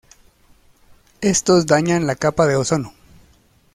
Estos dañan la capa de ozono.